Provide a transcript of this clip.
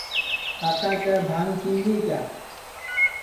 کاکا تیں بھانٚگ پیلی کیا